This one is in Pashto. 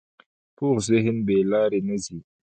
پوخ ذهن بې لارې نه ځي